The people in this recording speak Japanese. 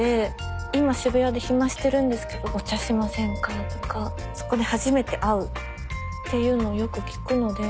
今渋谷で暇してるんですけどお茶しませんか？とかそこで初めて会うっていうのをよく聞くので。